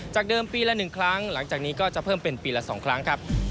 เดิมปีละ๑ครั้งหลังจากนี้ก็จะเพิ่มเป็นปีละ๒ครั้งครับ